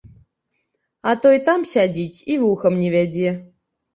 А той там сядзіць і вухам не вядзе.